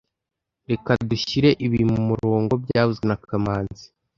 Reka dushyire ibi mumurongo byavuzwe na kamanzi